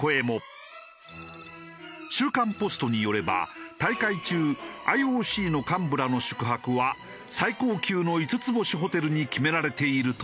『週刊ポスト』によれば大会中ＩＯＣの幹部らの宿泊は最高級の５つ星ホテルに決められているという。